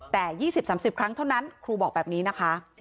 แต่๒๐๓๐ครั้งเท่านั้นครูบอกแบบนี้นะคะ